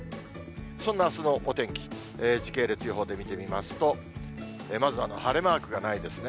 そんなあすのお天気、時系列予報で見てみますと、まず晴れマークがないですね。